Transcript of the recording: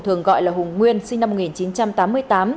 thường gọi là hùng nguyên sinh năm một nghìn chín trăm tám mươi tám